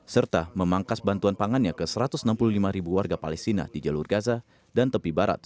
serta memangkas bantuan pangannya ke satu ratus enam puluh lima ribu warga palestina di jalur gaza dan tepi barat